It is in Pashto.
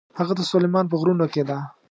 هغه د سلیمان په غرونو کې ده.